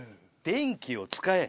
電気を使え。